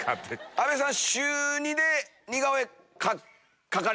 阿部さん